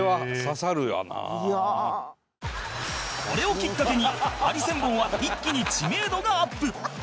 いやあこれをきっかけにハリセンボンは一気に知名度がアップ